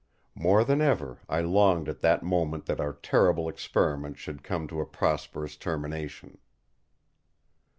More than ever I longed at that moment that our terrible Experiment should come to a prosperous termination.